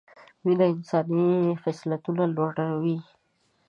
مینه انساني خصلتونه لوړه وي